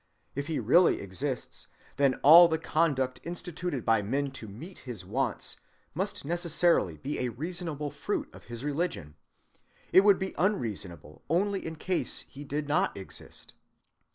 If he really exists, then all the conduct instituted by men to meet his wants must necessarily be a reasonable fruit of his religion,—it would be unreasonable only in case he did not exist.